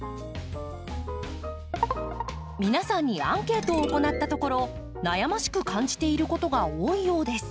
皆さんにアンケートを行ったところ悩ましく感じていることが多いようです。